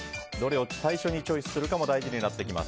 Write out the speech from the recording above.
どれを最初にチョイスするかも大事になります。